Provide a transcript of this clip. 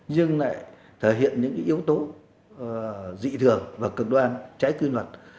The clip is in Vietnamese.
nhưng lại thể hiện những yếu tố dị thường và cực đoan trái cư luật